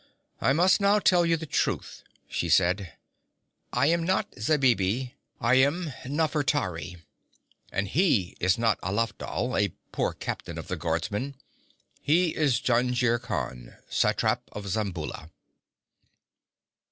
'I must now tell you the truth,' she said. 'I am not Zabibi. I am Nafertari. And he is not Alafdhal, a poor captain of the guardsmen. He is Jungir Khan, satrap of Zamboula.'